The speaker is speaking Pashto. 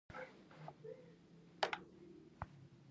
له هغوی د خیر تمه کیدای شي.